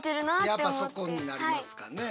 やっぱそこになりますかね。